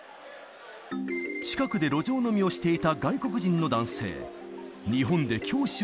近くで路上飲みをしていた外国人の男性。